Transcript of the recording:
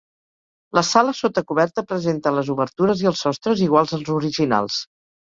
Les sales sota coberta presenten les obertures i els sostres iguals als originals.